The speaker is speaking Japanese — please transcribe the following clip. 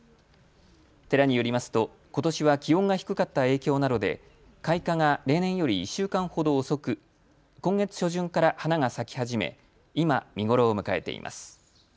寺によりますと、ことしは気温が低かった影響などで、開花が例年より１週間ほど遅く、今月初旬から花が咲き始め、今、見頃を迎えています。